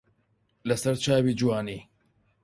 لە سەر چاوی جوانی